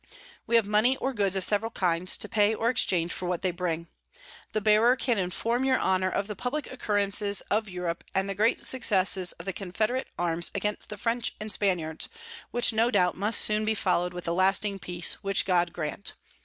We have Mony or Goods of several kinds, to pay or exchange for what they bring. The Bearer can inform your Honour of the publick Occurrences of Europe, and the great Successes of the Confederate Arms against the French and Spaniards; which, no doubt must soon be follow'd with a lasting Peace, which God grant.